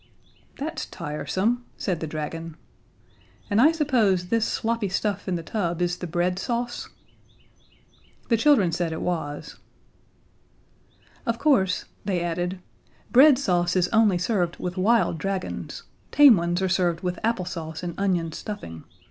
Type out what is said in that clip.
"That's tiresome," said the dragon. "And I suppose this sloppy stuff in the tub is the bread sauce?" The children said it was. "Of course," they added, "bread sauce is only served with wild dragons. Tame ones are served with apple sauce and onion stuffing.